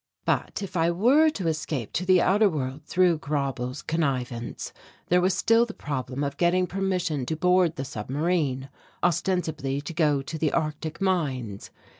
But, if I were to escape to the outer world through Grauble's connivance, there was still the problem of getting permission to board the submarine, ostensibly to go to the Arctic mines.